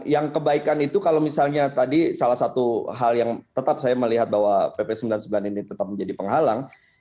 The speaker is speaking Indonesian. yang kebaikan itu kalau misalnya tadi salah satu hal yang tetap saya melihat bahwa pp sembilan puluh sembilan ini tetap menjadi penghalang